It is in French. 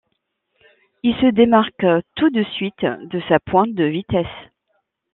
Il se démarque tout de suite de sa pointe de vitesse.